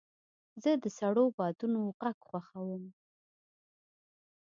زه د سړو بادونو غږ خوښوم.